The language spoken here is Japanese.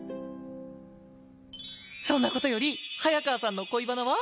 そんな事より早川さんの恋バナは？